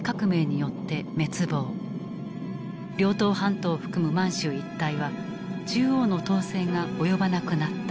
遼東半島を含む満州一帯は中央の統制が及ばなくなった。